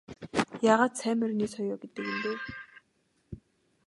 Яагаад сайн морины соёо гэдэг юм бэ?